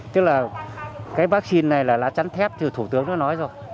tức là cái vaccine này là lá trắng thép như thủ tướng nó nói rồi